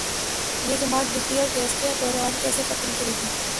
یہ جماعت بجلی اور گیس کا بحران کیسے ختم کرے گی؟